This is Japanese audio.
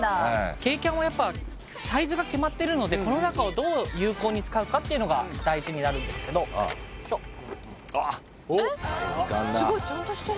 軽キャンはやっぱサイズが決まってるのでこの中をどう有効に使うかっていうのが大事になるんですけどおっすごいちゃんとしてる